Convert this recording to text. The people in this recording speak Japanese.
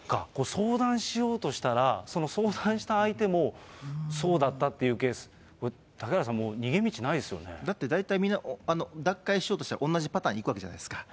相談しようとしたら、その相談した相手も、そうだったっていうケース、だって、大体みんな、脱会しようとしたら同じパターンにいくわけじゃないですか。